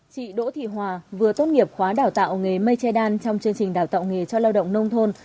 chị đỗ thị hòa vừa tốt nghiệp khóa đào tạo nghề mây che đan trong chương trình đào tạo nghề cho lao động nông thôn